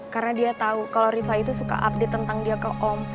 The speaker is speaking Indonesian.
karena dia tau kalo rifka itu suka update tentang dia ke om